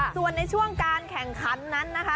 ส่วนในช่วงการแข่งขันนั้นนะคะ